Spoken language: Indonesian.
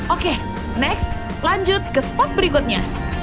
oke next lanjut ke spot berikutnya